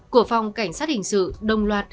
của phòng cảnh sát hình sự đồng loạt